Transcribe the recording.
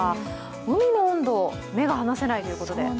海の温度、目が離せないということで。